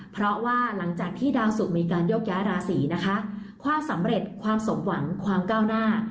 เพราะว่าหลังจากที่ดาวสุกมีการยกย้ายราศีนะคะความสำเร็จความสมหวังความก้าวหน้า